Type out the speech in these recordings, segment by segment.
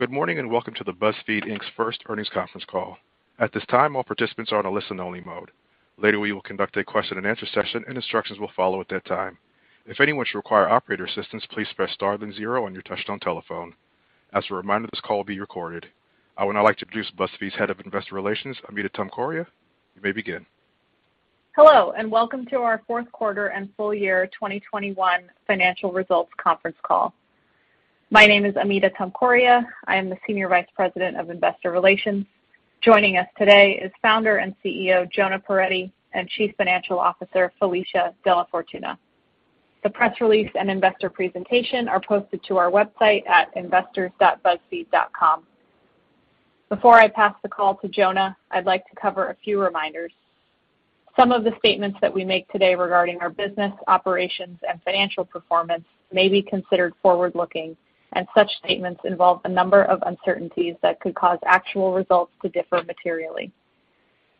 Good morning, and welcome to the BuzzFeed, Inc.'s first earnings conference call. At this time, all participants are on a listen-only mode. Later, we will conduct a question-and-answer session, and instructions will follow at that time. If anyone should require operator assistance, please press star then zero on your touchtone telephone. As a reminder, this call will be recorded. I would now like to introduce BuzzFeed's Head of Investor Relations, Amita Tomkoria. You may begin. Hello, and welcome to our fourth quarter and full year 2021 financial results conference call. My name is Amita Tomkoria. I am the Senior Vice President of Investor Relations. Joining us today is Founder and CEO Jonah Peretti and Chief Financial Officer Felicia DellaFortuna. The press release and investor presentation are posted to our website at investors.buzzfeed.com. Before I pass the call to Jonah, I'd like to cover a few reminders. Some of the statements that we make today regarding our business, operations, and financial performance may be considered forward-looking, and such statements involve a number of uncertainties that could cause actual results to differ materially.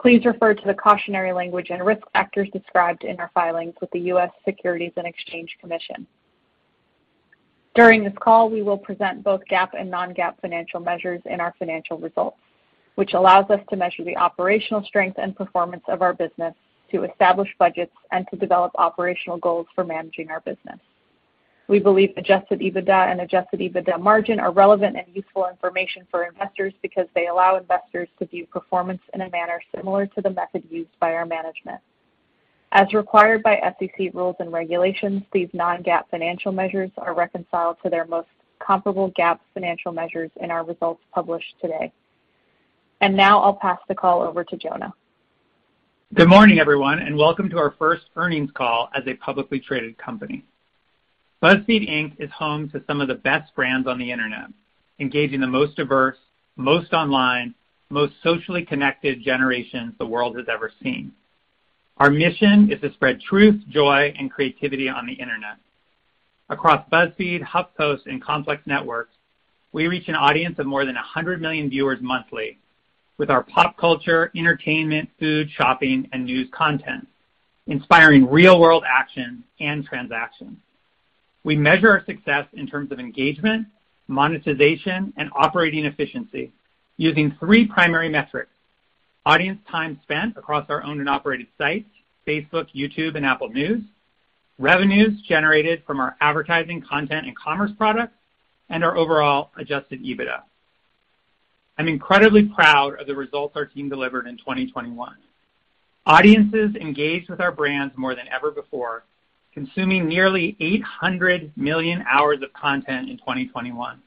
Please refer to the cautionary language and risk factors described in our filings with the U.S. Securities and Exchange Commission. During this call, we will present both GAAP and non-GAAP financial measures in our financial results, which allows us to measure the operational strength and performance of our business to establish budgets and to develop operational goals for managing our business. We believe adjusted EBITDA and adjusted EBITDA margin are relevant and useful information for investors because they allow investors to view performance in a manner similar to the method used by our management. As required by SEC rules and regulations, these non-GAAP financial measures are reconciled to their most comparable GAAP financial measures in our results published today. Now I'll pass the call over to Jonah. Good morning, everyone, and welcome to our first earnings call as a publicly traded company. BuzzFeed, Inc. is home to some of the best brands on the internet, engaging the most diverse, most online, most socially connected generations the world has ever seen. Our mission is to spread truth, joy, and creativity on the internet. Across BuzzFeed, HuffPost, and Complex Networks, we reach an audience of more than 100 million viewers monthly with our pop culture, entertainment, food, shopping, and news content, inspiring real-world action and transaction. We measure our success in terms of engagement, monetization, and operating efficiency using three primary metrics. Audience time spent across our owned and operated sites, Facebook, YouTube, and Apple News; revenues generated from our advertising, content, and commerce products; and our overall adjusted EBITDA. I'm incredibly proud of the results our team delivered in 2021. Audiences engaged with our brands more than ever before, consuming nearly 800 million hours of content in 2021.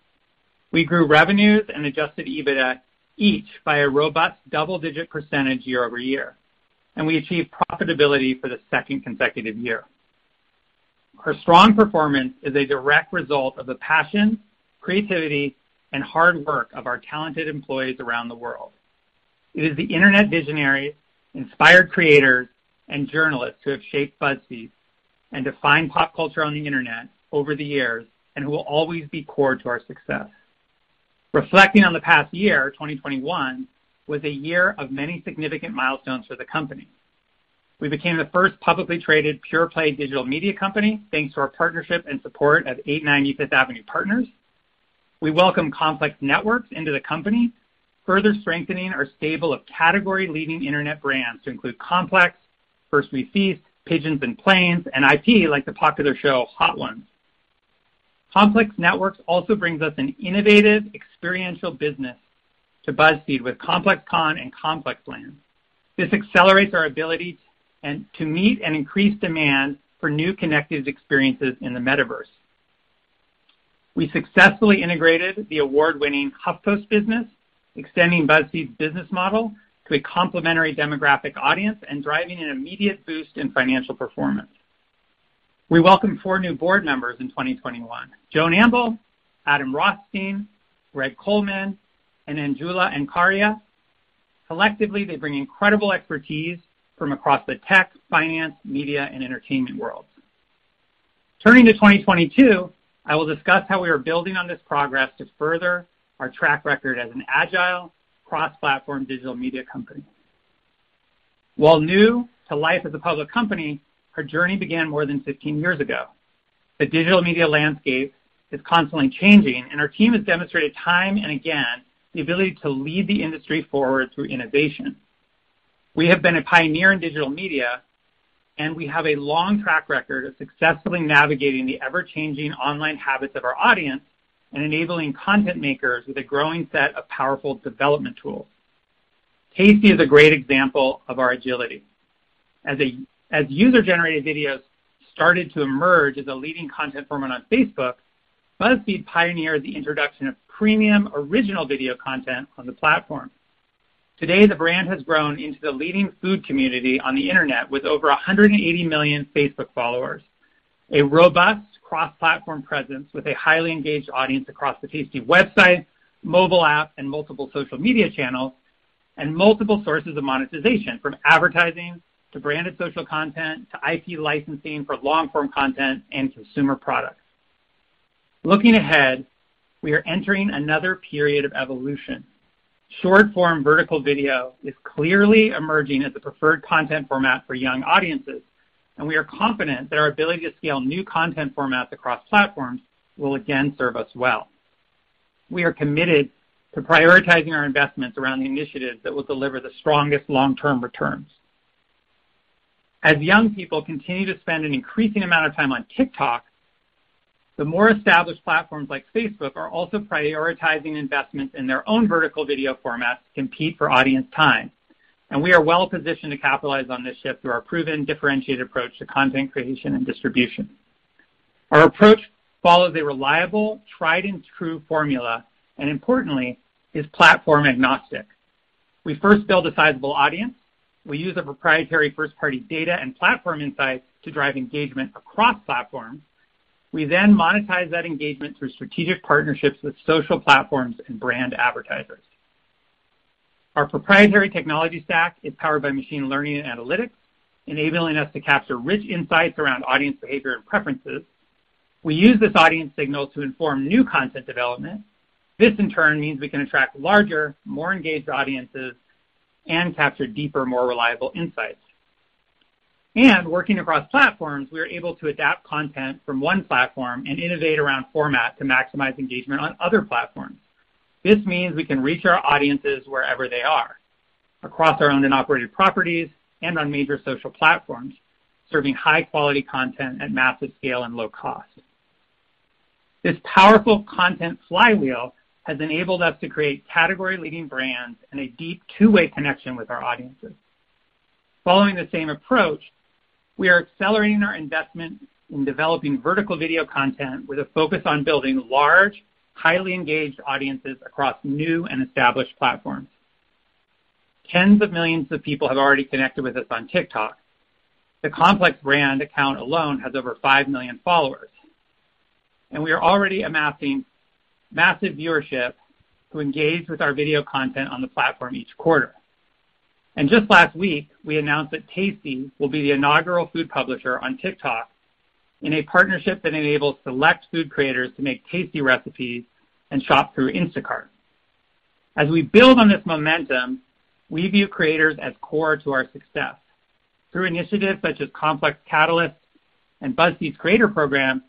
We grew revenues and adjusted EBITDA each by a robust double-digit percentage year-over-year, and we achieved profitability for the second consecutive year. Our strong performance is a direct result of the passion, creativity, and hard work of our talented employees around the world. It is the internet visionaries, inspired creators, and journalists who have shaped BuzzFeed and defined pop culture on the internet over the years and who will always be core to our success. Reflecting on the past year, 2021 was a year of many significant milestones for the company. We became the first publicly traded pure play digital media company, thanks to our partnership and support of 890 Fifth Avenue Partners. We welcome Complex Networks into the company, further strengthening our stable of category-leading internet brands to include Complex, First We Feast, Pigeons & Planes, and IP like the popular show Hot Ones. Complex Networks also brings us an innovative experiential business to BuzzFeed with ComplexCon and ComplexLand. This accelerates our ability to meet an increased demand for new connected experiences in the metaverse. We successfully integrated the award-winning HuffPost business, extending BuzzFeed's business model to a complementary demographic audience and driving an immediate boost in financial performance. We welcomed four new board members in 2021, Joan Amble, Adam Rothstein, Greg Coleman, and Anjula Acharia. Collectively, they bring incredible expertise from across the tech, finance, media, and entertainment worlds. Turning to 2022, I will discuss how we are building on this progress to further our track record as an agile, cross-platform digital media company. While new to life as a public company, our journey began more than 15 years ago. The digital media landscape is constantly changing, and our team has demonstrated time and again the ability to lead the industry forward through innovation. We have been a pioneer in digital media, and we have a long track record of successfully navigating the ever-changing online habits of our audience and enabling content makers with a growing set of powerful development tools. Tasty is a great example of our agility. As user-generated videos started to emerge as a leading content format on Facebook, BuzzFeed pioneered the introduction of premium original video content on the platform. Today, the brand has grown into the leading food community on the internet with over 180 million Facebook followers, a robust cross-platform presence with a highly engaged audience across the Tasty website, mobile app, and multiple social media channels, and multiple sources of monetization, from advertising to branded social content to IP licensing for long-form content and consumer products. Looking ahead, we are entering another period of evolution. Short-form vertical video is clearly emerging as the preferred content format for young audiences, and we are confident that our ability to scale new content formats across platforms will again serve us well. We are committed to prioritizing our investments around the initiatives that will deliver the strongest long-term returns. As young people continue to spend an increasing amount of time on TikTok, the more established platforms like Facebook are also prioritizing investments in their own vertical video formats to compete for audience time, and we are well positioned to capitalize on this shift through our proven differentiated approach to content creation and distribution. Our approach follows a reliable, tried and true formula, and importantly is platform agnostic. We first build a sizable audience. We use our proprietary first-party data and platform insights to drive engagement across platforms. We then monetize that engagement through strategic partnerships with social platforms and brand advertisers. Our proprietary technology stack is powered by machine learning and analytics, enabling us to capture rich insights around audience behavior and preferences. We use this audience signal to inform new content development. This, in turn, means we can attract larger, more engaged audiences and capture deeper, more reliable insights. Working across platforms, we are able to adapt content from one platform and innovate around format to maximize engagement on other platforms. This means we can reach our audiences wherever they are, across our owned and operated properties and on major social platforms, serving high-quality content at massive scale and low cost. This powerful content flywheel has enabled us to create category-leading brands and a deep two-way connection with our audiences. Following the same approach, we are accelerating our investment in developing vertical video content with a focus on building large, highly engaged audiences across new and established platforms. Tens of millions of people have already connected with us on TikTok. The Complex brand account alone has over 5 million followers. We are already amassing massive viewership who engage with our video content on the platform each quarter. Just last week, we announced that Tasty will be the inaugural food publisher on TikTok in a partnership that enables select food creators to make Tasty recipes and shop through Instacart. As we build on this momentum, we view creators as core to our success. Through initiatives such as Complex Catalyst and BuzzFeed's Creator Program,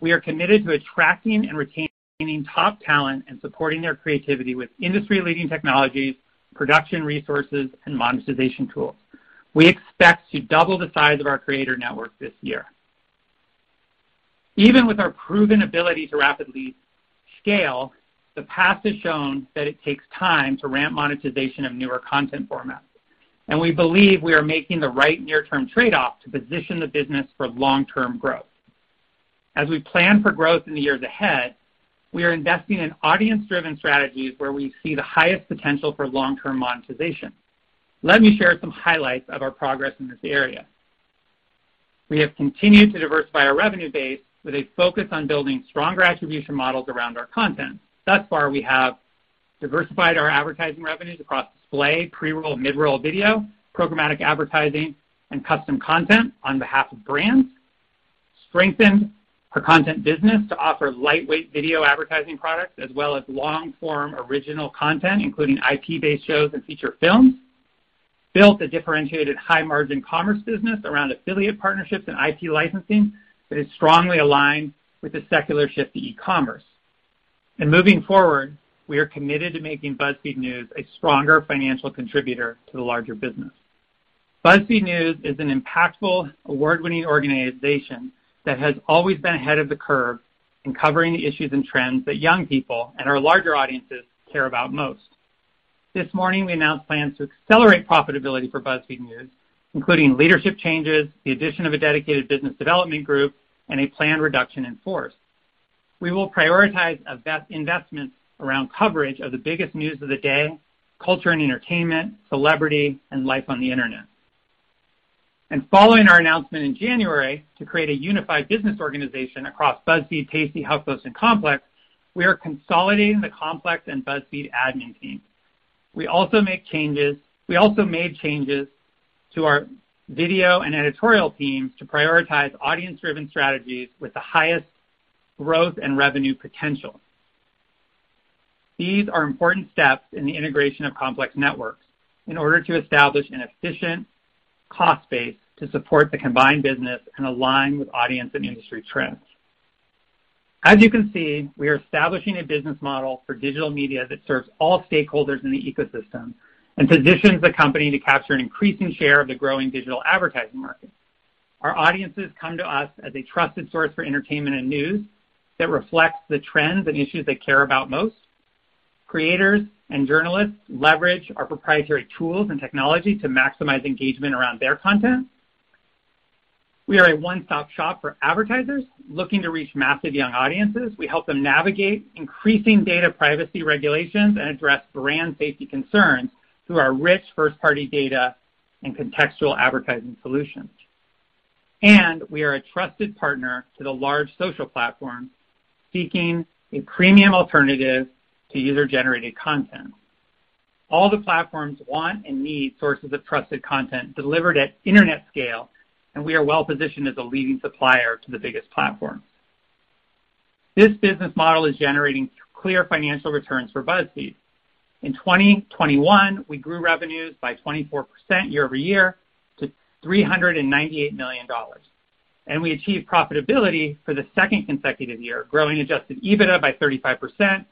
we are committed to attracting and retaining top talent and supporting their creativity with industry-leading technologies, production resources, and monetization tools. We expect to double the size of our creator network this year. Even with our proven ability to rapidly scale, the past has shown that it takes time to ramp monetization of newer content formats, and we believe we are making the right near-term trade-off to position the business for long-term growth. As we plan for growth in the years ahead, we are investing in audience-driven strategies where we see the highest potential for long-term monetization. Let me share some highlights of our progress in this area. We have continued to diversify our revenue base with a focus on building stronger attribution models around our content. Thus far, we have diversified our advertising revenues across display, pre-roll, mid-roll video, programmatic advertising, and custom content on behalf of brands. Strengthened our content business to offer lightweight video advertising products as well as long-form original content, including IP-based shows and feature films. Built a differentiated high-margin commerce business around affiliate partnerships and IP licensing that is strongly aligned with the secular shift to e-commerce. Moving forward, we are committed to making BuzzFeed News a stronger financial contributor to the larger business. BuzzFeed News is an impactful, award-winning organization that has always been ahead of the curve in covering the issues and trends that young people and our larger audiences care about most. This morning, we announced plans to accelerate profitability for BuzzFeed News, including leadership changes, the addition of a dedicated business development group, and a planned reduction in force. We will prioritize investment around coverage of the biggest news of the day, culture and entertainment, celebrity, and life on the Internet. Following our announcement in January to create a unified business organization across BuzzFeed, Tasty, HuffPost, and Complex, we are consolidating the Complex and BuzzFeed admin teams. We also made changes to our video and editorial teams to prioritize audience-driven strategies with the highest growth and revenue potential. These are important steps in the integration of Complex Networks in order to establish an efficient cost base to support the combined business and align with audience and industry trends. As you can see, we are establishing a business model for digital media that serves all stakeholders in the ecosystem and positions the company to capture an increasing share of the growing digital advertising market. Our audiences come to us as a trusted source for entertainment and news that reflects the trends and issues they care about most. Creators and journalists leverage our proprietary tools and technology to maximize engagement around their content. We are a one-stop shop for advertisers looking to reach massive young audiences. We help them navigate increasing data privacy regulations and address brand safety concerns through our rich first-party data and contextual advertising solutions. We are a trusted partner to the large social platforms seeking a premium alternative to user-generated content. All the platforms want and need sources of trusted content delivered at internet scale, and we are well positioned as a leading supplier to the biggest platforms. This business model is generating clear financial returns for BuzzFeed. In 2021, we grew revenues by 24% year-over-year to $398 million. We achieved profitability for the second consecutive year, growing adjusted EBITDA by 35%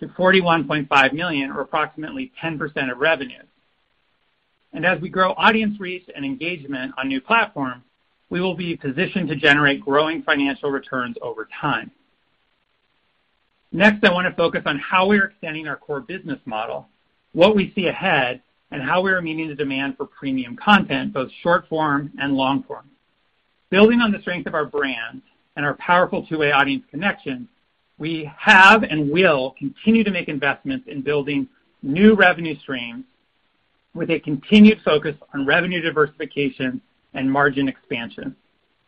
to $41.5 million, or approximately 10% of revenues. As we grow audience reach and engagement on new platforms, we will be positioned to generate growing financial returns over time. Next, I want to focus on how we are extending our core business model, what we see ahead, and how we are meeting the demand for premium content, both short form and long form. Building on the strength of our brand and our powerful two-way audience connection, we have and will continue to make investments in building new revenue streams with a continued focus on revenue diversification and margin expansion.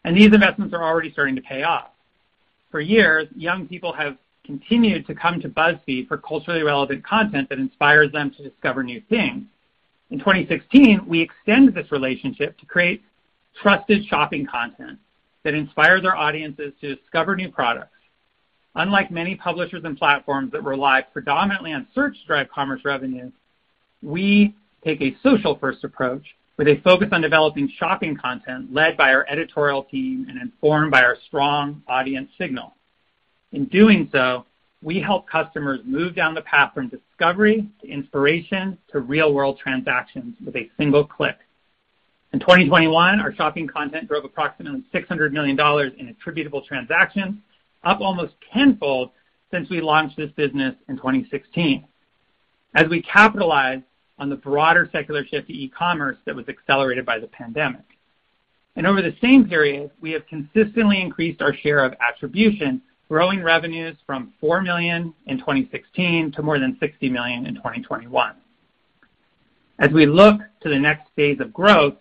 These investments are already starting to pay off. For years, young people have continued to come to BuzzFeed for culturally relevant content that inspires them to discover new things. In 2016, we extended this relationship to create trusted shopping content that inspires our audiences to discover new products. Unlike many publishers and platforms that rely predominantly on search-derived commerce revenue, we take a social-first approach with a focus on developing shopping content led by our editorial team and informed by our strong audience signal. In doing so, we help customers move down the path from discovery to inspiration to real-world transactions with a single click. In 2021, our shopping content drove approximately $600 million in attributable transactions, up almost tenfold since we launched this business in 2016, as we capitalize on the broader secular shift to e-commerce that was accelerated by the pandemic. Over the same period, we have consistently increased our share of attribution, growing revenues from $4 million in 2016 to more than $60 million in 2021. As we look to the next phase of growth,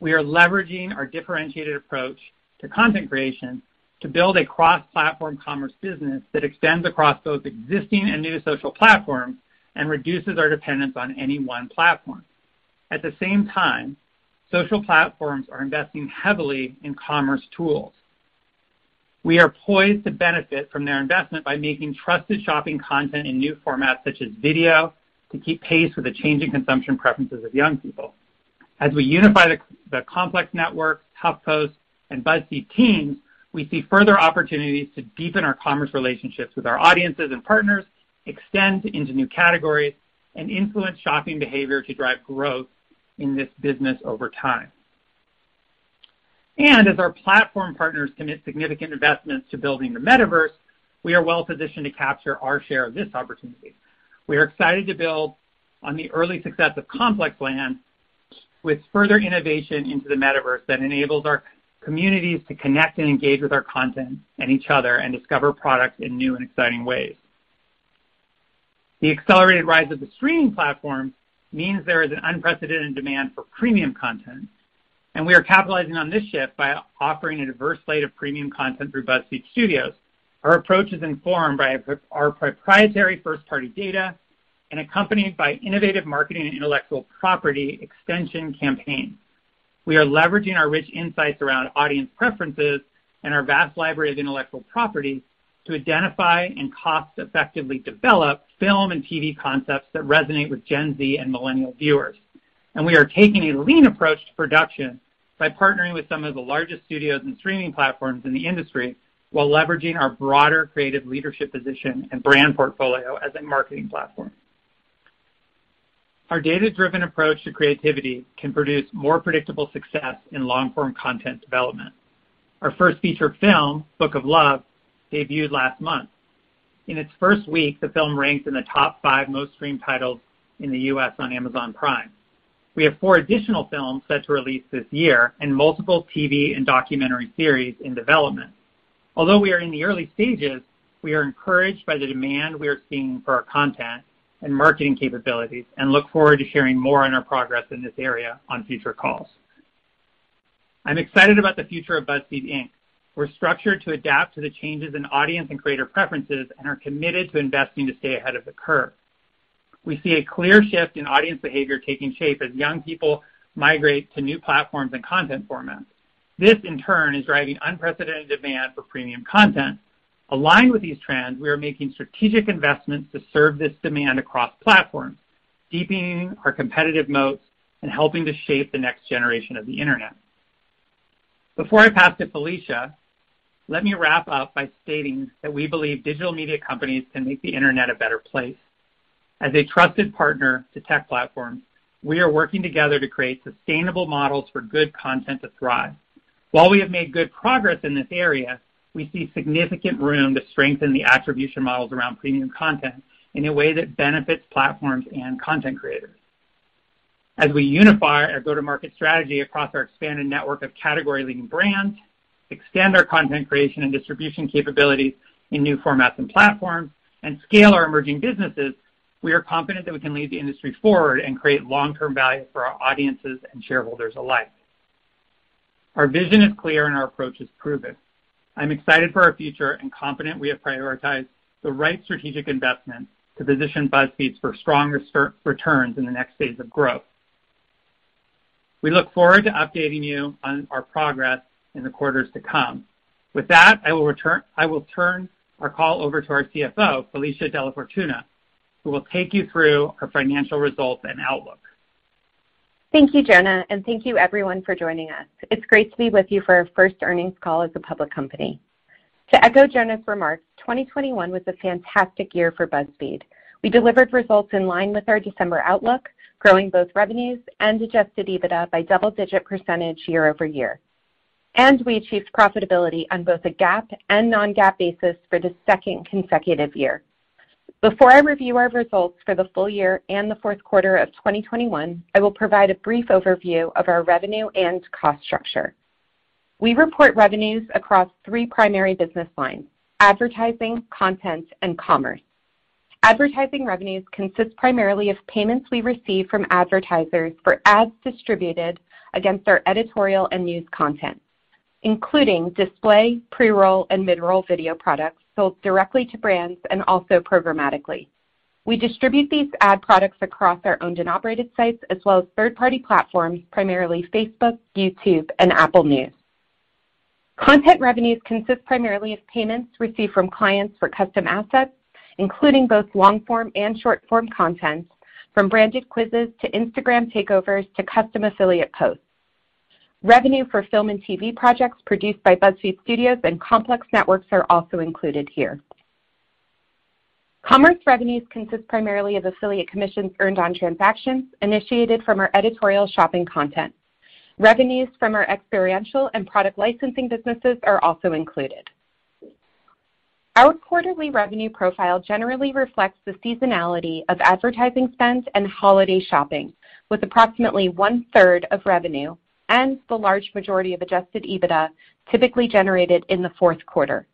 we are leveraging our differentiated approach to content creation to build a cross-platform commerce business that extends across both existing and new social platforms and reduces our dependence on any one platform. At the same time, social platforms are investing heavily in commerce tools. We are poised to benefit from their investment by making trusted shopping content in new formats, such as video, to keep pace with the changing consumption preferences of young people. As we unify the Complex Networks, HuffPost, and BuzzFeed teams, we see further opportunities to deepen our commerce relationships with our audiences and partners, extend into new categories, and influence shopping behavior to drive growth in this business over time. As our platform partners commit significant investments to building the metaverse, we are well positioned to capture our share of this opportunity. We are excited to build on the early success of ComplexLand with further innovation into the metaverse that enables our communities to connect and engage with our content and each other and discover products in new and exciting ways. The accelerated rise of the streaming platform means there is an unprecedented demand for premium content, and we are capitalizing on this shift by offering a diverse slate of premium content through BuzzFeed Studios. Our approach is informed by our proprietary first-party data and accompanied by innovative marketing and intellectual property extension campaigns. We are leveraging our rich insights around audience preferences and our vast library of intellectual property to identify and cost-effectively develop film and TV concepts that resonate with Gen Z and millennial viewers. We are taking a lean approach to production by partnering with some of the largest studios and streaming platforms in the industry while leveraging our broader creative leadership position and brand portfolio as a marketing platform. Our data-driven approach to creativity can produce more predictable success in long-form content development. Our first feature film, Book of Love, debuted last month. In its first week, the film ranked in the top five most streamed titles in the U.S. on Amazon Prime. We have four additional films set to release this year and multiple TV and documentary series in development. Although we are in the early stages, we are encouraged by the demand we are seeing for our content and marketing capabilities and look forward to sharing more on our progress in this area on future calls. I'm excited about the future of BuzzFeed, Inc. We're structured to adapt to the changes in audience and creator preferences and are committed to investing to stay ahead of the curve. We see a clear shift in audience behavior taking shape as young people migrate to new platforms and content formats. This, in turn, is driving unprecedented demand for premium content. Aligned with these trends, we are making strategic investments to serve this demand across platforms, deepening our competitive moats and helping to shape the next generation of the Internet. Before I pass to Felicia, let me wrap up by stating that we believe digital media companies can make the Internet a better place. As a trusted partner to tech platforms, we are working together to create sustainable models for good content to thrive. While we have made good progress in this area, we see significant room to strengthen the attribution models around premium content in a way that benefits platforms and content creators. As we unify our go-to-market strategy across our expanded network of category-leading brands, extend our content creation and distribution capabilities in new formats and platforms, and scale our emerging businesses, we are confident that we can lead the industry forward and create long-term value for our audiences and shareholders alike. Our vision is clear, and our approach is proven. I'm excited for our future and confident we have prioritized the right strategic investments to position BuzzFeed for stronger returns in the next phase of growth. We look forward to updating you on our progress in the quarters to come. With that, I will turn our call over to our CFO, Felicia DellaFortuna, who will take you through our financial results and outlook. Thank you, Jonah, and thank you everyone for joining us. It's great to be with you for our first earnings call as a public company. To echo Jonah's remarks, 2021 was a fantastic year for BuzzFeed. We delivered results in line with our December outlook, growing both revenues and adjusted EBITDA by double-digit % year-over-year, and we achieved profitability on both a GAAP and non-GAAP basis for the second consecutive year. Before I review our results for the full year and the fourth quarter of 2021, I will provide a brief overview of our revenue and cost structure. We report revenues across three primary business lines: advertising, content, and commerce. Advertising revenues consist primarily of payments we receive from advertisers for ads distributed against our editorial and news content, including display, pre-roll, and mid-roll video products sold directly to brands and also programmatically. We distribute these ad products across our owned and operated sites as well as third-party platforms, primarily Facebook, YouTube, and Apple News. Content revenues consist primarily of payments received from clients for custom assets, including both long-form and short-form content from branded quizzes to Instagram takeovers to custom affiliate posts. Revenue for film and TV projects produced by BuzzFeed Studios and Complex Networks are also included here. Commerce revenues consist primarily of affiliate commissions earned on transactions initiated from our editorial shopping content. Revenues from our experiential and product licensing businesses are also included. Our quarterly revenue profile generally reflects the seasonality of advertising spends and holiday shopping, with approximately one-third of revenue and the large majority of adjusted EBITDA typically generated in the fourth quarter.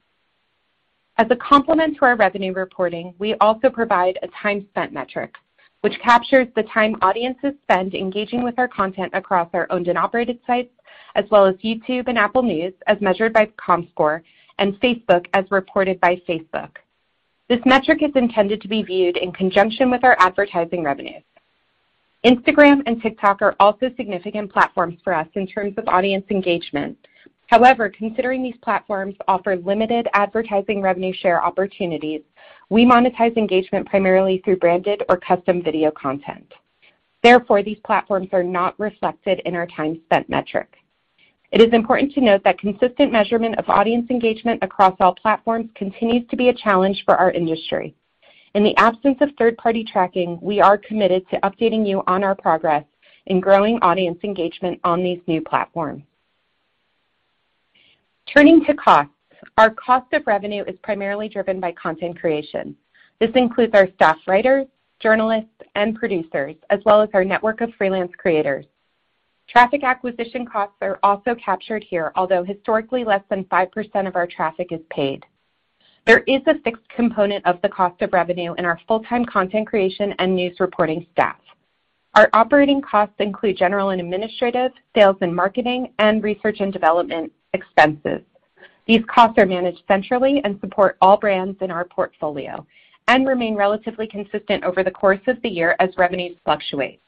As a complement to our revenue reporting, we also provide a time spent metric, which captures the time audiences spend engaging with our content across our owned and operated sites, as well as YouTube and Apple News, as measured by Comscore, and Facebook as reported by Facebook. This metric is intended to be viewed in conjunction with our advertising revenues. Instagram and TikTok are also significant platforms for us in terms of audience engagement. However, considering these platforms offer limited advertising revenue share opportunities, we monetize engagement primarily through branded or custom video content. Therefore, these platforms are not reflected in our time spent metric. It is important to note that consistent measurement of audience engagement across all platforms continues to be a challenge for our industry. In the absence of third-party tracking, we are committed to updating you on our progress in growing audience engagement on these new platforms. Turning to costs, our cost of revenue is primarily driven by content creation. This includes our staff writers, journalists, and producers, as well as our network of freelance creators. Traffic acquisition costs are also captured here, although historically less than 5% of our traffic is paid. There is a fixed component of the cost of revenue in our full-time content creation and news reporting staff. Our operating costs include general and administrative, sales and marketing, and research and development expenses. These costs are managed centrally and support all brands in our portfolio and remain relatively consistent over the course of the year as revenues fluctuate.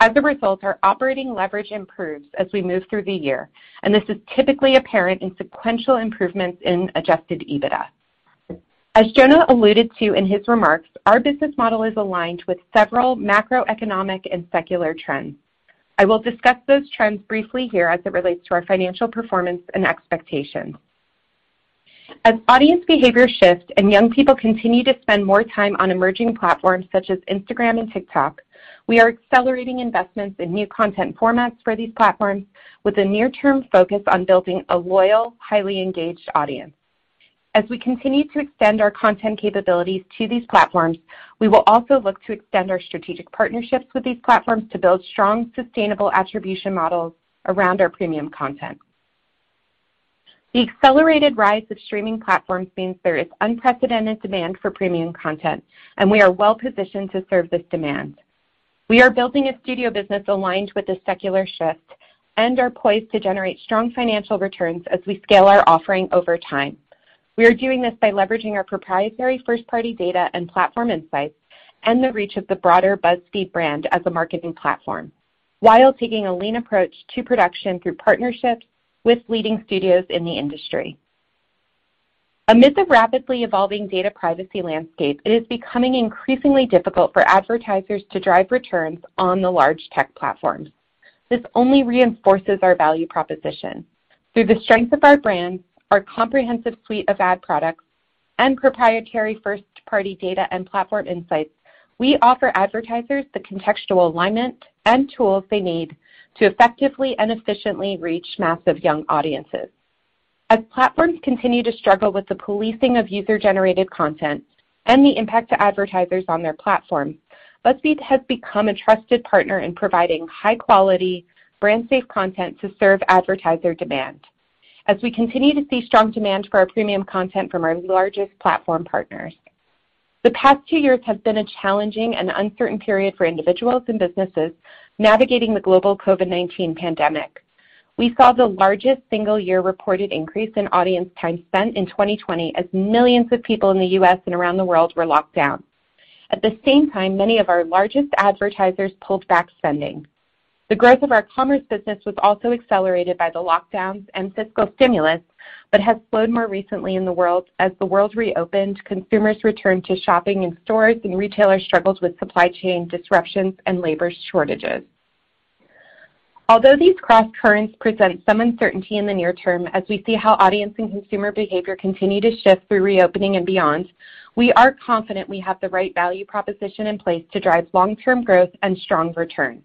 As a result, our operating leverage improves as we move through the year, and this is typically apparent in sequential improvements in adjusted EBITDA. As Jonah alluded to in his remarks, our business model is aligned with several macroeconomic and secular trends. I will discuss those trends briefly here as it relates to our financial performance and expectations. As audience behavior shifts and young people continue to spend more time on emerging platforms such as Instagram and TikTok, we are accelerating investments in new content formats for these platforms with a near-term focus on building a loyal, highly engaged audience. As we continue to extend our content capabilities to these platforms, we will also look to extend our strategic partnerships with these platforms to build strong, sustainable attribution models around our premium content. The accelerated rise of streaming platforms means there is unprecedented demand for premium content, and we are well positioned to serve this demand. We are building a studio business aligned with this secular shift and are poised to generate strong financial returns as we scale our offering over time. We are doing this by leveraging our proprietary first-party data and platform insights and the reach of the broader BuzzFeed brand as a marketing platform while taking a lean approach to production through partnerships with leading studios in the industry. Amid the rapidly evolving data privacy landscape, it is becoming increasingly difficult for advertisers to drive returns on the large tech platforms. This only reinforces our value proposition. Through the strength of our brands, our comprehensive suite of ad products, and proprietary first-party data and platform insights, we offer advertisers the contextual alignment and tools they need to effectively and efficiently reach massive young audiences. As platforms continue to struggle with the policing of user-generated content and the impact to advertisers on their platform, BuzzFeed has become a trusted partner in providing high quality, brand safe content to serve advertiser demand as we continue to see strong demand for our premium content from our largest platform partners. The past two years have been a challenging and uncertain period for individuals and businesses navigating the global COVID-19 pandemic. We saw the largest single year reported increase in audience time spent in 2020 as millions of people in the U.S. and around the world were locked down. At the same time, many of our largest advertisers pulled back spending. The growth of our commerce business was also accelerated by the lockdowns and fiscal stimulus, but has slowed more recently in the world. As the world reopened, consumers returned to shopping in stores, and retailers struggled with supply chain disruptions and labor shortages. Although these crosscurrents present some uncertainty in the near term as we see how audience and consumer behavior continue to shift through reopening and beyond, we are confident we have the right value proposition in place to drive long-term growth and strong returns.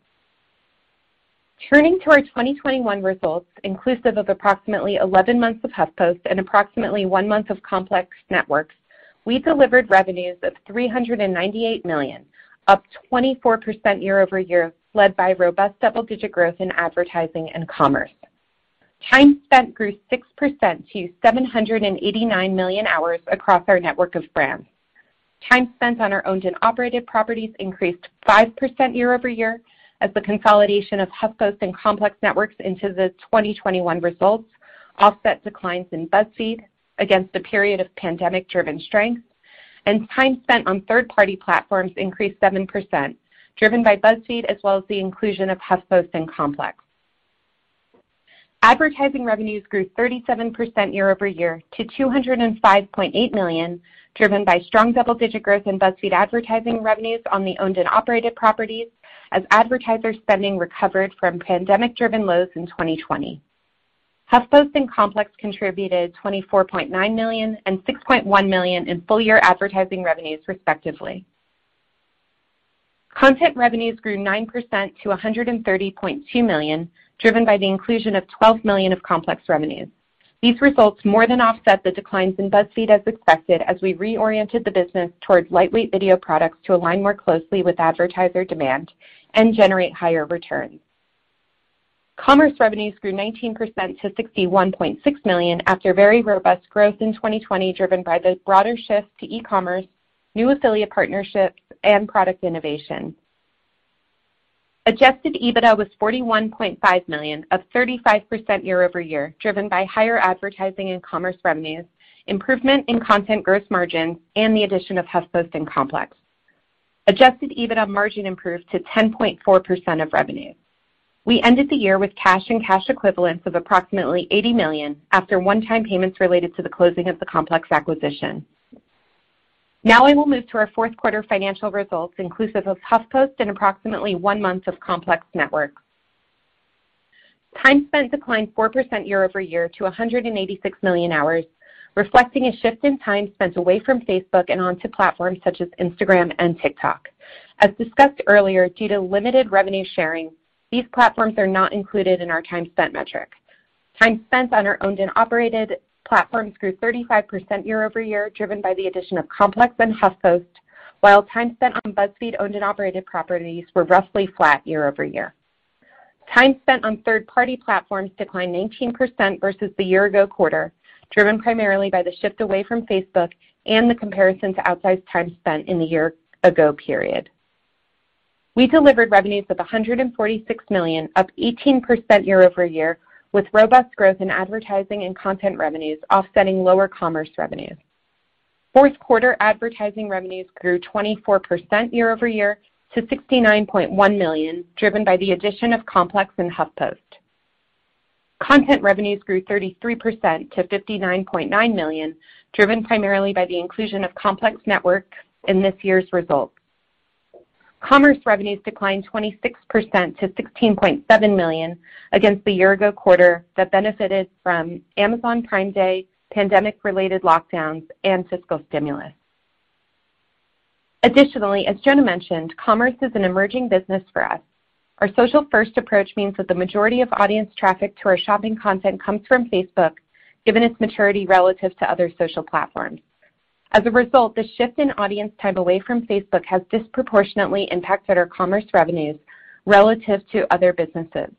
Turning to our 2021 results, inclusive of approximately 11 months of HuffPost and approximately one month of Complex Networks, we delivered revenues of $398 million, up 24% year-over-year, led by robust double-digit growth in advertising and commerce. Time spent grew 6% to 789 million hours across our network of brands. Time spent on our owned and operated properties increased 5% year-over-year as the consolidation of HuffPost and Complex Networks into the 2021 results offset declines in BuzzFeed against a period of pandemic-driven strength. Time spent on third-party platforms increased 7%, driven by BuzzFeed as well as the inclusion of HuffPost and Complex. Advertising revenues grew 37% year-over-year to $205.8 million, driven by strong double-digit growth in BuzzFeed advertising revenues on the owned and operated properties as advertiser spending recovered from pandemic-driven lows in 2020. HuffPost and Complex contributed $24.9 million and $6.1 million in full year advertising revenues, respectively. Content revenues grew 9% to $130.2 million, driven by the inclusion of $12 million of Complex revenues. These results more than offset the declines in BuzzFeed as expected as we reoriented the business towards lightweight video products to align more closely with advertiser demand and generate higher returns. Commerce revenues grew 19% to $61.6 million after very robust growth in 2020, driven by the broader shift to e-commerce, new affiliate partnerships, and product innovation. Adjusted EBITDA was $41.5 million, up 35% year-over-year, driven by higher advertising and commerce revenues, improvement in content gross margin, and the addition of HuffPost and Complex. Adjusted EBITDA margin improved to 10.4% of revenue. We ended the year with cash and cash equivalents of approximately $80 million after one-time payments related to the closing of the Complex acquisition. Now I will move to our fourth quarter financial results, inclusive of HuffPost and approximately one month of Networks. Time spent declined 4% year-over-year to 186 million hours, reflecting a shift in time spent away from Facebook and onto platforms such as Instagram and TikTok. As discussed earlier, due to limited revenue sharing, these platforms are not included in our time spent metric. Time spent on our owned and operated platforms grew 35% year-over-year, driven by the addition of Complex and HuffPost, while time spent on BuzzFeed owned and operated properties were roughly flat year-over-year. Time spent on third-party platforms declined 19% versus the year-ago quarter, driven primarily by the shift away from Facebook and the comparison to outsized time spent in the year-ago period. We delivered revenues of $146 million, up 18% year-over-year, with robust growth in advertising and content revenues offsetting lower commerce revenues. Fourth quarter advertising revenues grew 24% year-over-year to $69.1 million, driven by the addition of Complex and HuffPost. Content revenues grew 33% to $59.9 million, driven primarily by the inclusion of Complex Networks in this year's results. Commerce revenues declined 26% to $16.7 million against the year ago quarter that benefited from Amazon Prime Day, pandemic-related lockdowns, and fiscal stimulus. Additionally, as Jonah mentioned, commerce is an emerging business for us. Our social-first approach means that the majority of audience traffic to our shopping content comes from Facebook, given its maturity relative to other social platforms. As a result, the shift in audience time away from Facebook has disproportionately impacted our commerce revenues relative to other businesses.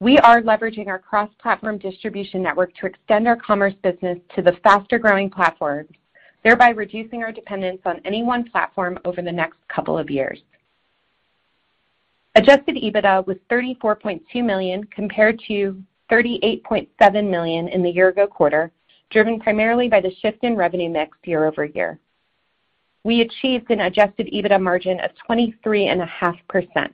We are leveraging our cross-platform distribution network to extend our commerce business to the faster-growing platforms, thereby reducing our dependence on any one platform over the next couple of years. Adjusted EBITDA was $34.2 million compared to $38.7 million in the year-ago quarter, driven primarily by the shift in revenue mix year-over-year. We achieved an adjusted EBITDA margin of 23.5%.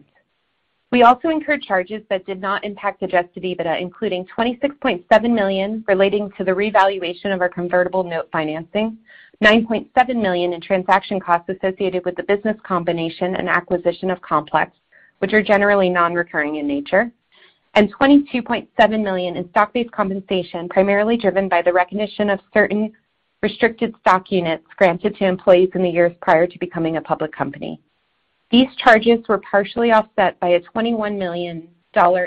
We also incurred charges that did not impact adjusted EBITDA, including $26.7 million relating to the revaluation of our convertible note financing, $9.7 million in transaction costs associated with the business combination and acquisition of Complex, which are generally non-recurring in nature, and $22.7 million in stock-based compensation, primarily driven by the recognition of certain restricted stock units granted to employees in the years prior to becoming a public company. These charges were partially offset by a $21 million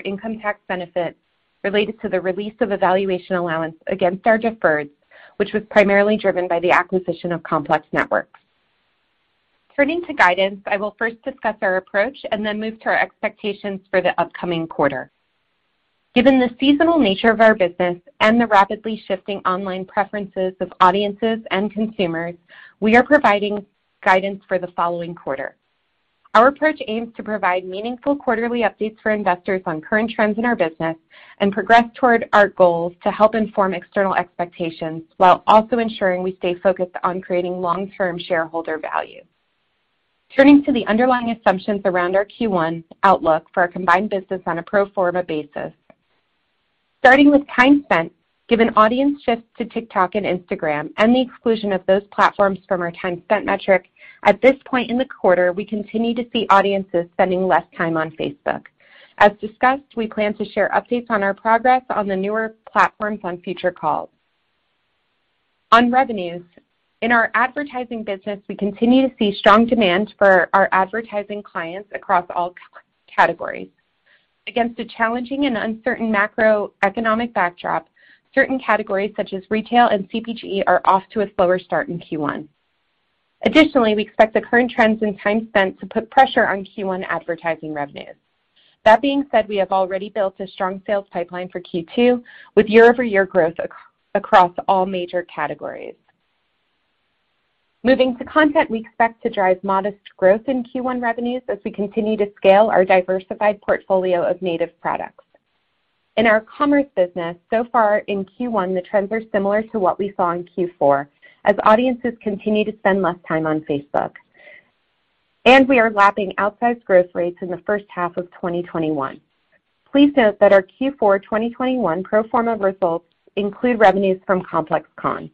income tax benefit related to the release of a valuation allowance against our deferred, which was primarily driven by the acquisition of Complex Networks. Turning to guidance, I will first discuss our approach and then move to our expectations for the upcoming quarter. Given the seasonal nature of our business and the rapidly shifting online preferences of audiences and consumers, we are providing guidance for the following quarter. Our approach aims to provide meaningful quarterly updates for investors on current trends in our business and progress toward our goals to help inform external expectations while also ensuring we stay focused on creating long-term shareholder value. Turning to the underlying assumptions around our Q1 outlook for our combined business on a pro forma basis. Starting with time spent, given audience shifts to TikTok and Instagram and the exclusion of those platforms from our time spent metric, at this point in the quarter, we continue to see audiences spending less time on Facebook. As discussed, we plan to share updates on our progress on the newer platforms on future calls. On revenues, in our advertising business, we continue to see strong demand for our advertising clients across all categories. Against a challenging and uncertain macroeconomic backdrop, certain categories such as retail and CPG are off to a slower start in Q1. Additionally, we expect the current trends in time spent to put pressure on Q1 advertising revenues. That being said, we have already built a strong sales pipeline for Q2 with year-over-year growth across all major categories. Moving to content, we expect to drive modest growth in Q1 revenues as we continue to scale our diversified portfolio of native products. In our commerce business, so far in Q1, the trends are similar to what we saw in Q4 as audiences continue to spend less time on Facebook. We are lapping outsized growth rates in the first half of 2021. Please note that our Q4 2021 pro forma results include revenues from ComplexCon.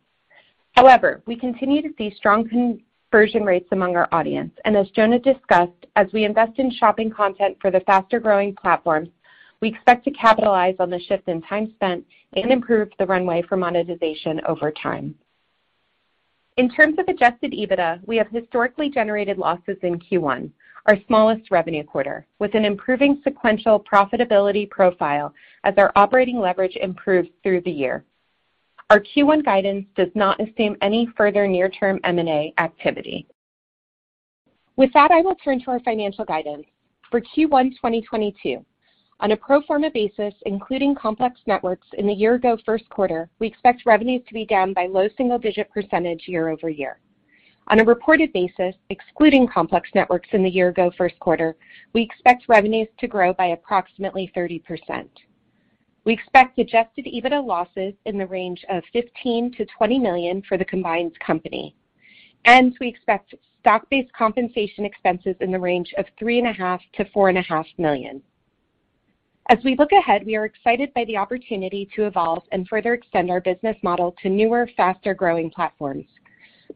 However, we continue to see strong conversion rates among our audience. As Jonah discussed, as we invest in shopping content for the faster-growing platforms, we expect to capitalize on the shift in time spent and improve the runway for monetization over time. In terms of adjusted EBITDA, we have historically generated losses in Q1, our smallest revenue quarter, with an improving sequential profitability profile as our operating leverage improves through the year. Our Q1 guidance does not assume any further near-term M&A activity. With that, I will turn to our financial guidance. For Q1 2022 on a pro forma basis, including Complex Networks in the year ago first quarter, we expect revenues to be down by low single-digit % year-over-year. On a reported basis, excluding Complex Networks in the year ago first quarter, we expect revenues to grow by approximately 30%. We expect adjusted EBITDA losses in the range of $15 million-$20 million for the combined company, and we expect stock-based compensation expenses in the range of $3.5 million-$4.5 million. As we look ahead, we are excited by the opportunity to evolve and further extend our business model to newer, faster-growing platforms.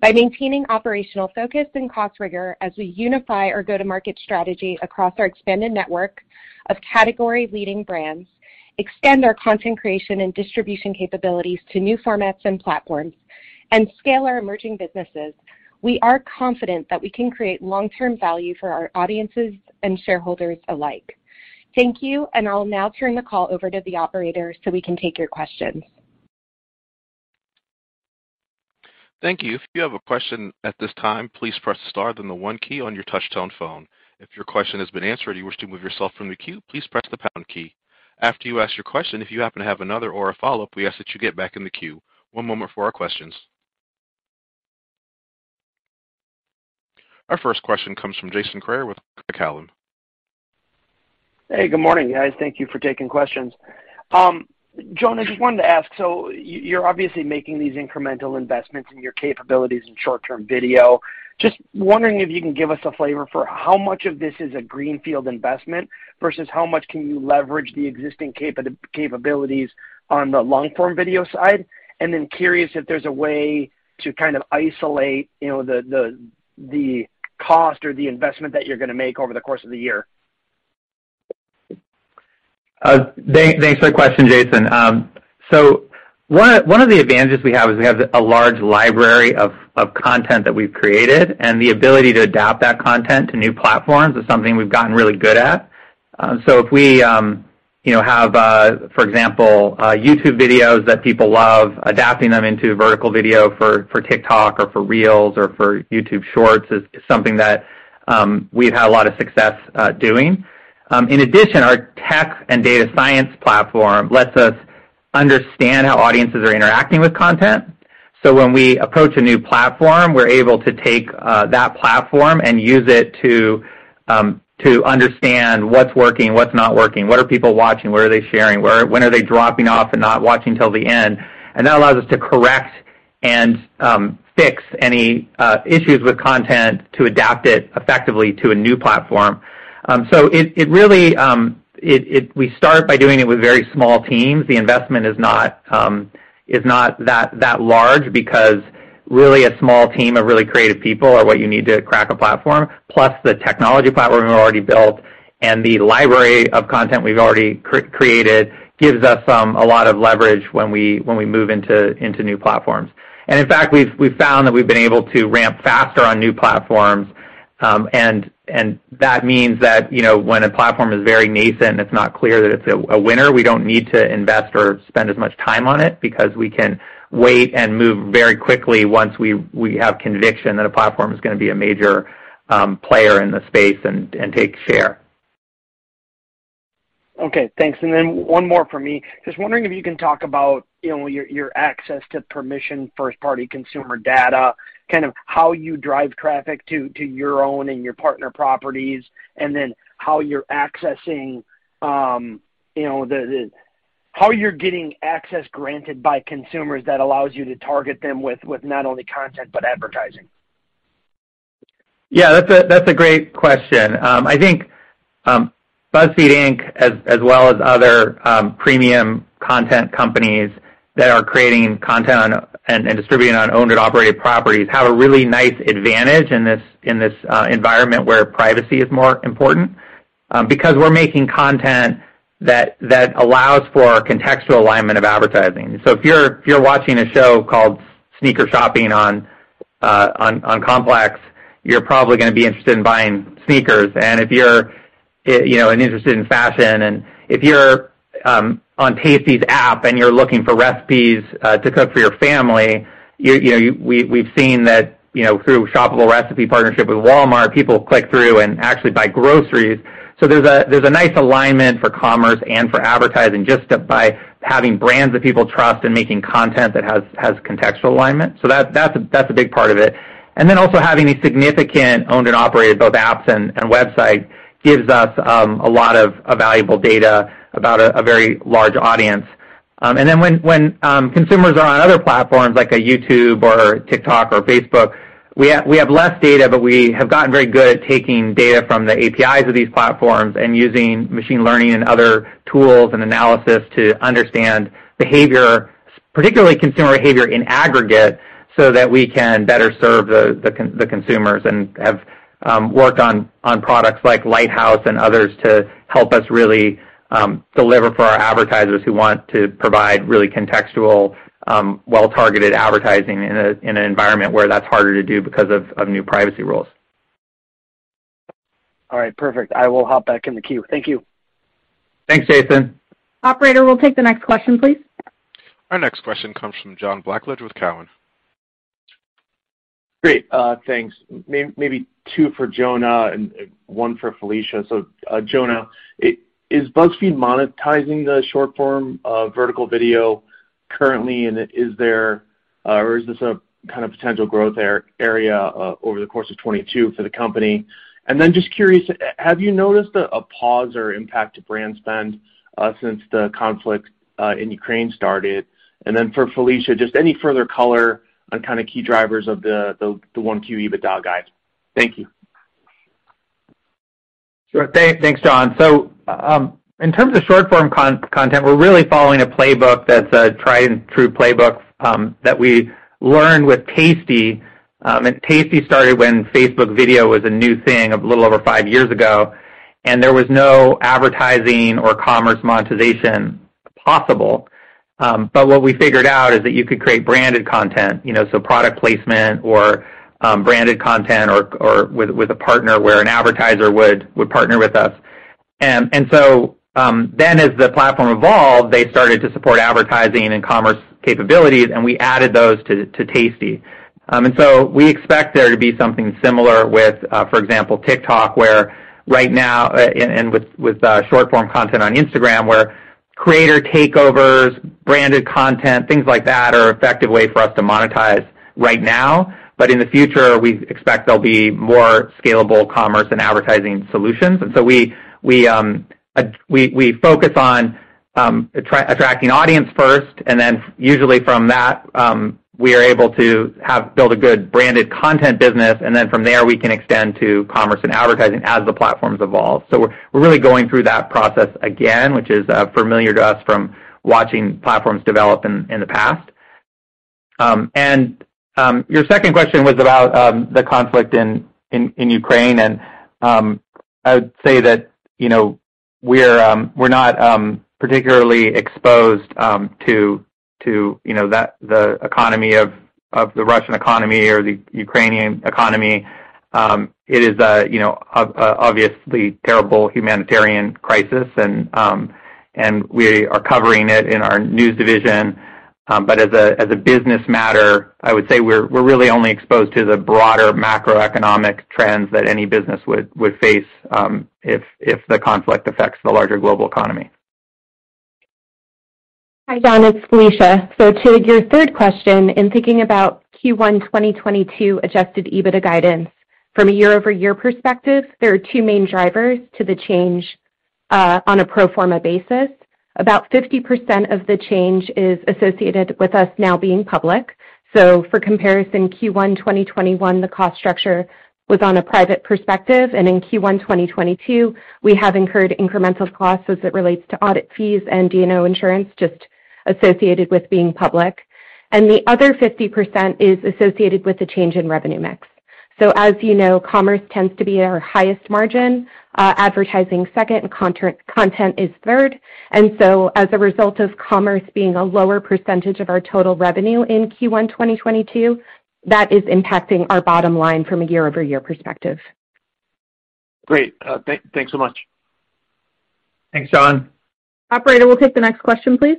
By maintaining operational focus and cost rigor as we unify our go-to-market strategy across our expanded network of category-leading brands, extend our content creation and distribution capabilities to new formats and platforms, and scale our emerging businesses, we are confident that we can create long-term value for our audiences and shareholders alike. Thank you, and I'll now turn the call over to the operator, so we can take your questions. Our first question comes from Jason Kreyer with Craig-Hallum. Hey, good morning, guys. Thank you for taking questions. Jonah, just wanted to ask, so you're obviously making these incremental investments in your capabilities in short-term video. Just wondering if you can give us a flavor for how much of this is a greenfield investment versus how much can you leverage the existing capabilities on the long-form video side. Curious if there's a way to kind of isolate, you know, the cost or the investment that you're gonna make over the course of the year. Thanks for the question, Jason. One of the advantages we have is we have a large library of content that we've created, and the ability to adapt that content to new platforms is something we've gotten really good at. If we you know have for example YouTube videos that people love, adapting them into vertical video for TikTok or for Reels or for YouTube Shorts is something that we've had a lot of success doing. In addition, our tech and data science platform lets us understand how audiences are interacting with content. When we approach a new platform, we're able to take that platform and use it to understand what's working, what's not working, what are people watching, what are they sharing, when are they dropping off and not watching till the end. That allows us to correct and fix any issues with content to adapt it effectively to a new platform. We start by doing it with very small teams. The investment is not that large because really a small team of really creative people are what you need to crack a platform, plus the technology platform we've already built and the library of content we've already created gives us a lot of leverage when we move into new platforms. In fact, we've found that we've been able to ramp faster on new platforms, and that means that, you know, when a platform is very nascent and it's not clear that it's a winner, we don't need to invest or spend as much time on it because we can wait and move very quickly once we have conviction that a platform is gonna be a major player in the space and take share. Okay, thanks. One more for me. Just wondering if you can talk about, you know, your access to permissioned first-party consumer data, kind of how you drive traffic to your own and your partner properties, and then how you're getting access granted by consumers that allows you to target them with not only content but advertising. Yeah, that's a great question. I think BuzzFeed, Inc., as well as other premium content companies that are creating content and distributing on owned and operated properties have a really nice advantage in this environment where privacy is more important, because we're making content that allows for contextual alignment of advertising. If you're watching a show called Sneaker Shopping on Complex, you're probably gonna be interested in buying sneakers. If you're you know, interested in fashion and if you're on Tasty's app and you're looking for recipes to cook for your family, you know, we've seen that, you know, through shoppable recipe partnership with Walmart, people click through and actually buy groceries. There's a nice alignment for commerce and for advertising just by having brands that people trust and making content that has contextual alignment. That's a big part of it. Then also having a significant owned and operated both apps and website gives us a lot of valuable data about a very large audience. When consumers are on other platforms like a YouTube or TikTok or Facebook, we have less data, but we have gotten very good at taking data from the APIs of these platforms and using machine learning and other tools and analysis to understand behavior, particularly consumer behavior in aggregate, so that we can better serve the consumers and have worked on products like Lighthouse and others to help us really deliver for our advertisers who want to provide really contextual, well-targeted advertising in an environment where that's harder to do because of new privacy rules. All right. Perfect. I will hop back in the queue. Thank you. Thanks, Jason. Operator, we'll take the next question, please. Our next question comes from John Blackledge with Cowen. Great. Thanks. Maybe two for Jonah and one for Felicia. So, Jonah, is BuzzFeed monetizing the short-form vertical video currently? And is there, or is this a kind of potential growth area over the course of 2022 for the company? And then just curious, have you noticed a pause or impact to brand spend since the conflict in Ukraine started? And then for Felicia, just any further color on kind of key drivers of the Q1 EBITDA guide. Thank you. Sure thing. Thanks, John. In terms of short-form content, we're really following a playbook that's a tried and true playbook that we learned with Tasty. Tasty started when Facebook video was a new thing a little over five years ago, and there was no advertising or commerce monetization possible. What we figured out is that you could create branded content, you know, so product placement or branded content or with a partner where an advertiser would partner with us. Then as the platform evolved, they started to support advertising and commerce capabilities, and we added those to Tasty. We expect there to be something similar with, for example, TikTok, where right now, and with short form content on Instagram, where creator takeovers, branded content, things like that are effective way for us to monetize right now. In the future, we expect there'll be more scalable commerce and advertising solutions. We focus on attracting audience first, and then usually from that, we are able to build a good branded content business, and then from there, we can extend to commerce and advertising as the platforms evolve. We're really going through that process again, which is familiar to us from watching platforms develop in the past. Your second question was about the conflict in Ukraine. I would say that, you know, we're not particularly exposed to the economy of the Russian economy or the Ukrainian economy. It is a, you know, obviously terrible humanitarian crisis and we are covering it in our news division. As a business matter, I would say we're really only exposed to the broader macroeconomic trends that any business would face if the conflict affects the larger global economy. Hi, John. It's Felicia. To your third question, in thinking about Q1 2022 adjusted EBITDA guidance from a year-over-year perspective, there are two main drivers to the change, on a pro forma basis. About 50% of the change is associated with us now being public. For comparison, Q1 2021, the cost structure was on a private perspective, and in Q1 2022, we have incurred incremental costs as it relates to audit fees and D&O insurance just associated with being public. The other 50% is associated with the change in revenue mix. As you know, commerce tends to be our highest margin, advertising second, content is third. As a result of commerce being a lower percentage of our total revenue in Q1 2022, that is impacting our bottom line from a year-over-year perspective. Great. Thanks so much. Thanks, John. Operator, we'll take the next question, please.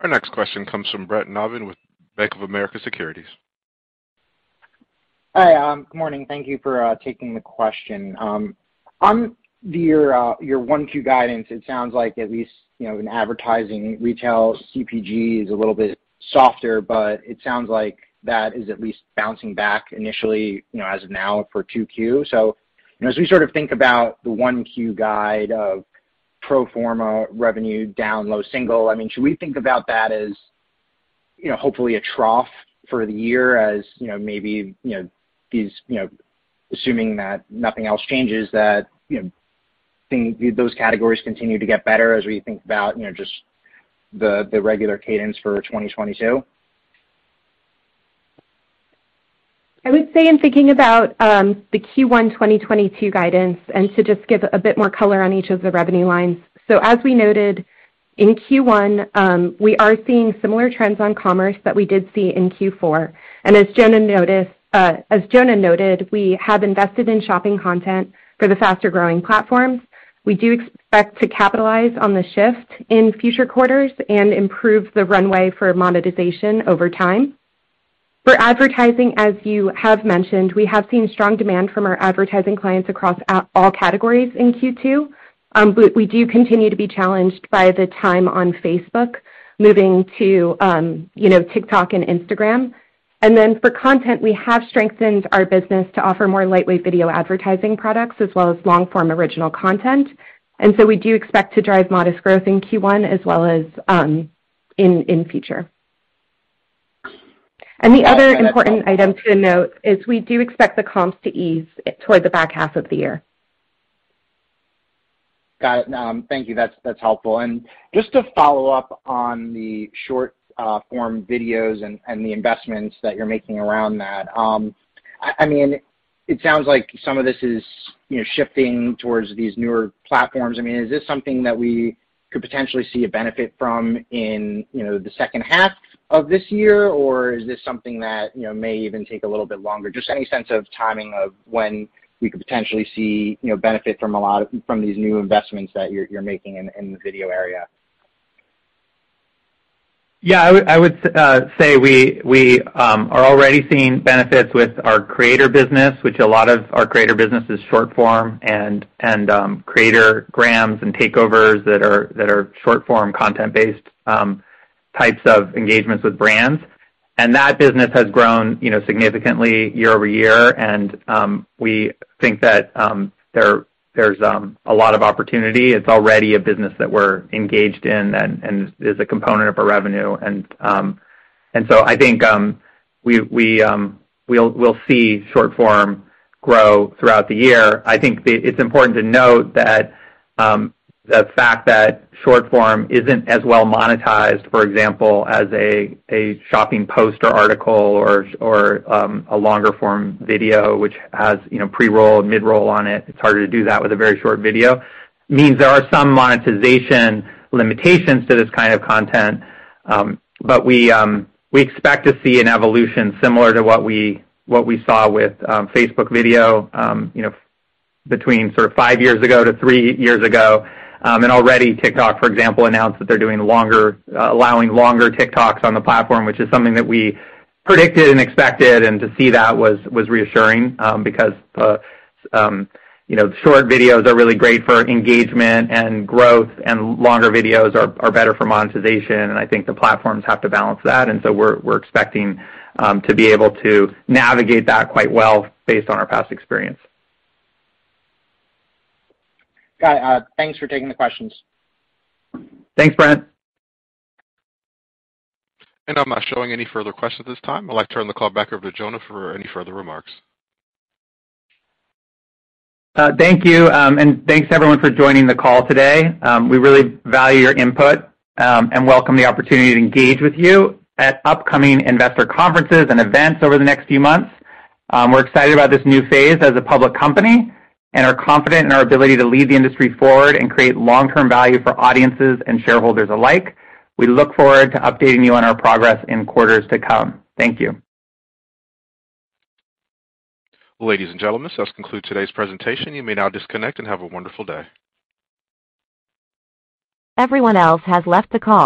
Our next question comes from Brent Navon with Bank of America Securities. Hi, good morning. Thank you for taking the question. On your 1Q guidance, it sounds like at least, you know, in advertising, retail, CPG is a little bit softer, but it sounds like that is at least bouncing back initially, you know, as of now for 2Q. You know, as we sort of think about the 1Q guide of pro forma revenue down low single, I mean, should we think about that as, you know, hopefully a trough for the year as, you know, maybe, you know, these, you know, assuming that nothing else changes, that, you know, think those categories continue to get better as we think about, you know, just the regular cadence for 2022? I would say in thinking about the Q1 2022 guidance, and to just give a bit more color on each of the revenue lines. As we noted, in Q1, we are seeing similar trends on commerce that we did see in Q4. As Jonah noted, we have invested in shopping content for the faster growing platforms. We do expect to capitalize on the shift in future quarters and improve the runway for monetization over time. For advertising, as you have mentioned, we have seen strong demand from our advertising clients across all categories in Q2. We do continue to be challenged by the time on Facebook moving to, you know, TikTok and Instagram. For content, we have strengthened our business to offer more lightweight video advertising products as well as long-form original content. We do expect to drive modest growth in Q1 as well as in future. The other important item to note is we do expect the comps to ease toward the back half of the year. Got it. No, thank you. That's helpful. Just to follow up on the short form videos and the investments that you're making around that, I mean, it sounds like some of this is, you know, shifting towards these newer platforms. I mean, is this something that we could potentially see a benefit from in, you know, the second half of this year? Or is this something that, you know, may even take a little bit longer? Just any sense of timing of when we could potentially see, you know, benefit from these new investments that you're making in the video area. Yeah, I would say we are already seeing benefits with our creator business, which a lot of our creator business is short form and creator grams and takeovers that are short form content-based types of engagements with brands. That business has grown, you know, significantly year-over-year. We think that there's a lot of opportunity. It's already a business that we're engaged in and is a component of our revenue. I think we'll see short form grow throughout the year. I think the It's important to note that the fact that short form isn't as well monetized, for example, as a shopping post or article or a longer form video which has, you know, pre-roll and mid-roll on it. It's harder to do that with a very short video, means there are some monetization limitations to this kind of content. We expect to see an evolution similar to what we saw with Facebook video, you know, between sort of five years ago to three years ago. Already TikTok, for example, announced that they're allowing longer TikToks on the platform, which is something that we predicted and expected. To see that was reassuring because, you know, short videos are really great for engagement and growth, and longer videos are better for monetization, and I think the platforms have to balance that. We're expecting to be able to navigate that quite well based on our past experience. Got it. Thanks for taking the questions. Thanks, Brett. I'm not showing any further questions at this time. I'd like to turn the call back over to Jonah for any further remarks. Thank you, and thanks everyone for joining the call today. We really value your input, and welcome the opportunity to engage with you at upcoming investor conferences and events over the next few months. We're excited about this new phase as a public company, and are confident in our ability to lead the industry forward and create long-term value for audiences and shareholders alike. We look forward to updating you on our progress in quarters to come. Thank you. Ladies and gentlemen, this does conclude today's presentation. You may now disconnect and have a wonderful day. Everyone else has left the call.